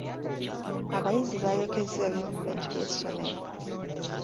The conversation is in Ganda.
Abayizi baayokezza ebimu ku bintu by’essomero.